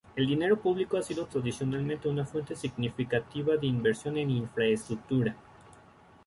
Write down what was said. El dinero público ha sido tradicionalmente una fuente significativa de inversión en infraestructura.